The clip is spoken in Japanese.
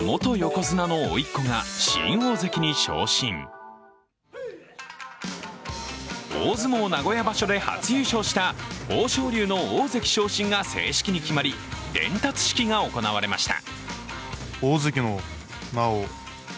そして一夜明け大相撲名古屋場所で初優勝した豊昇龍の大関昇進が正式に決まり伝達式が行われました。